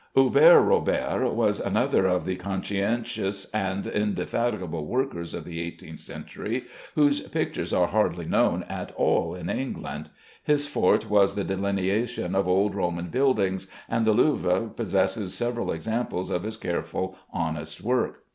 Hubert Robert was another of the conscientious and indefatigable workers of the eighteenth century, whose pictures are hardly known at all in England. His forte was the delineation of old Roman buildings, and the Louvre possesses several examples of his careful, honest work.